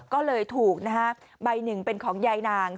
ก็เลยถูกนะฮะใบหนึ่งเป็นของยายนาง